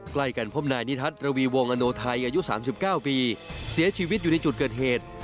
ใกล้กันพบนายนิทัศน์ระวีวงอโนไทยอายุ๓๙ปีเสียชีวิตอยู่ในจุดเกิดเหตุ